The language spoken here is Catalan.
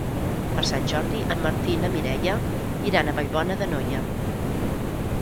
Per Sant Jordi en Martí i na Mireia iran a Vallbona d'Anoia.